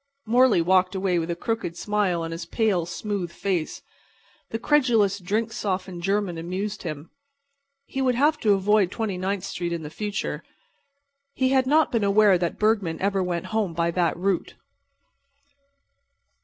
Morley walked away with a crooked smile on his pale, smooth face. The credulous, drink softened German amused him. He would have to avoid Twenty ninth street in the future. He had not been aware that Bergman ever went home by that route.